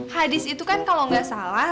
hadis itu kan kalau nggak salah